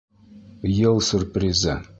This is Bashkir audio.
Йыл сюрпризы